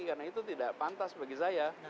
karena itu tidak pantas bagi saya